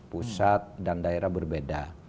pusat dan daerah berbeda